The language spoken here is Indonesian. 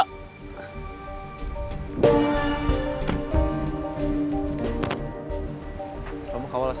kamu istirahat di rumah ya